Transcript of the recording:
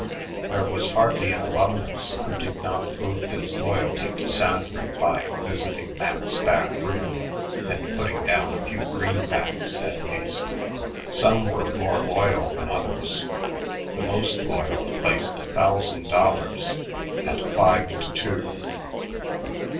There was hardly an alumnus who did not prove his loyalty to Sanford by visiting Mac's back room and putting down a few greenbacks, at least. Some were more loyal than others; the most loyal placed a thousand dollars at five to two.